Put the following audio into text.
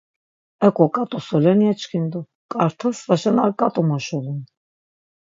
Eǩo ǩat̆u solen yeçkindu, ǩarta svaşen ar ǩat̆u moşulun.